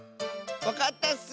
わかったッス！